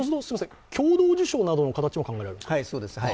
共同受賞などの形も考えられると？